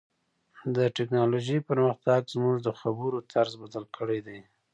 د ټکنالوژۍ پرمختګ زموږ د خبرو طرز بدل کړی دی.